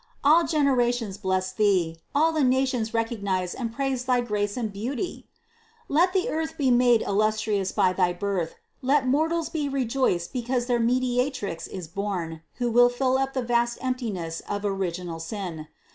All generations bless Thee, all the nations recognize and praise thy grace and beauty ! Let the earth be made illus trious by thy birth, let mortals be rejoiced because their Mediatrix is born, who will fill up the vast emptiness of original sin.